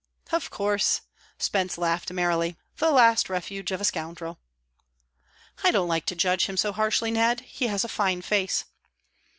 "Of course." Spence laughed merrily. "The last refuge of a scoundrel." "I don't like to judge him so harshly, Ned. He has a fine face."